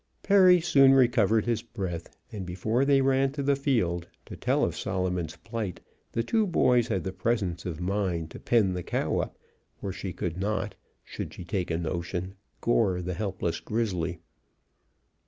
Perry soon recovered his breath, and before they ran to the field to tell of Solomon's plight, the two boys had the presence of mind to pen the cow up where she could not, should she take a notion, gore the helpless grizzly.